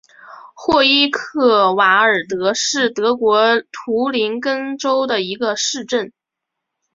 霍伊克瓦尔德是德国图林根州的一个市镇。